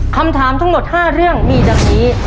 คำถามทั้งหมด๕เรื่องมีดังนี้